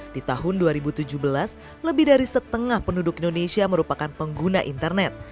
di tahun dua ribu tujuh belas lebih dari setengah penduduk indonesia merupakan pengguna internet